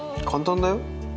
簡単だよ。